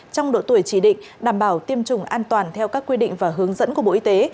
trong độ tuổi chỉ định đảm bảo tiêm chủng an toàn theo các quy định và hướng dẫn của bộ y tế